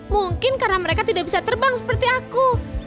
mungkin karena mereka tidak bisa terbang seperti aku